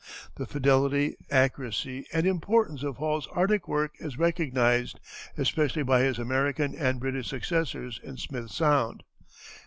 The fidelity, accuracy, and importance of Hall's Arctic work is recognized, especially by his American and British successors in Smith Sound.